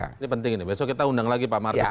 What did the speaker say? ini penting ini besok kita undang lagi pak martin